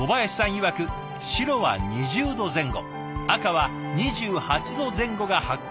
いわく白は２０度前後赤は２８度前後が発酵の適温。